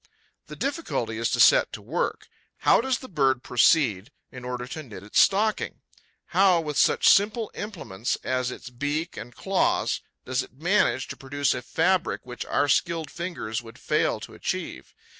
The difficulty is to set to work. How does the bird proceed, in order to knit its stocking? How, with such simple implements as its beak and claws, does it manage to produce a fabric which our skilled fingers would fail to achieve?